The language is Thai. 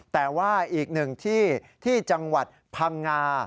แต่ว่าอีกหนึ่งที่ที่จังหวัดพังงา